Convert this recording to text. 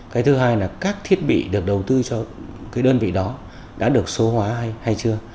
cái thứ hai là các thiết bị được đầu tư cho cái đơn vị đó đã được số hóa hay chưa